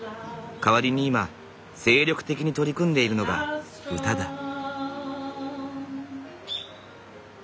代わりに今精力的に取り組んでいるのが歌だ。